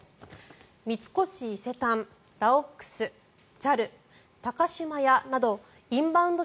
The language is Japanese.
三越伊勢丹、ラオックスＪＡＬ、高島屋などインバウンド